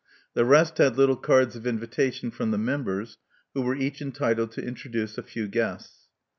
The rest had little cards of invitation from the members, who were each entitled to introduce a few guests.